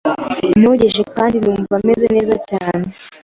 Nogeje kandi numva meze neza cyane.